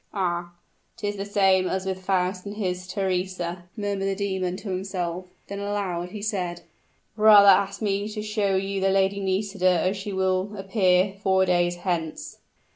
"Ah! 'tis the same as with Faust and his Theresa," murmured the demon to himself; then aloud he said, "Rather ask me to show you the Lady Nisida as she will appear four days hence."